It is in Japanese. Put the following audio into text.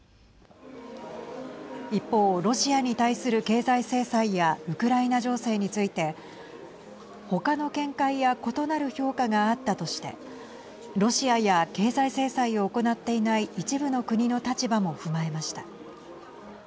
一方、ロシアに対する経済制裁やウクライナ情勢について他の見解や異なる評価があったとしてロシアや経済制裁を行っていない一部の国の立場も踏まえました。